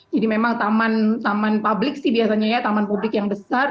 jadi memang taman publik sih biasanya ya taman publik yang besar